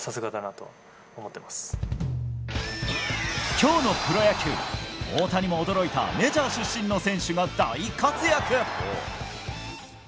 今日のプロ野球、大谷も驚いたメジャー出身の選手が大活躍。